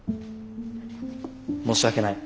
申し訳ない。